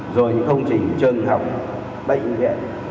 rồi những công trình trường học bệnh viện